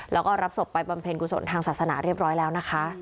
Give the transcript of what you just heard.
แล้วก็รับศพไปบำเพ็ญกุศลทางศาสนาเรียบร้อยแล้วนะคะ